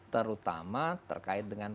terutama terkait dengan